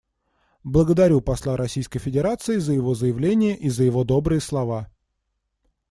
Благодарю посла Российской Федерации за его заявление и за его добрые слова.